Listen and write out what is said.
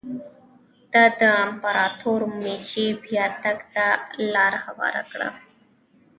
دا د امپراتور مېجي بیا راتګ ته لار هواره کړه.